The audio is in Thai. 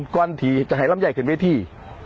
ก่อนที่จะให้ลำไยขึ้นเวที